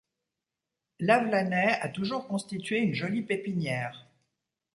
Lavelanet a toujours constitué une jolie pépinière.